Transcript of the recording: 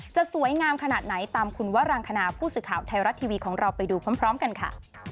จะสวยงามขนาดไหนตามคุณวรังคณาผู้สื่อข่าวไทยรัฐทีวีของเราไปดูพร้อมกันค่ะ